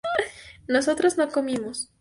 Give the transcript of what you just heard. nosotros no comimos